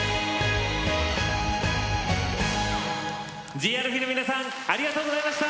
ＴＨＥＡＬＦＥＥの皆さん、ありがとうございました。